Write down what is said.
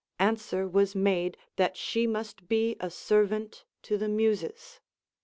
Answer was made, that she must be a servant to the Muses.